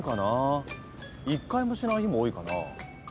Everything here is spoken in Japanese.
一回もしない日も多いかな。